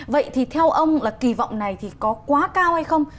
vậy thì theo ông kỳ vọng này có quá cao hay không